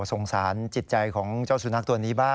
สงสารจิตใจของเจ้าสุนัขตัวนี้บ้าง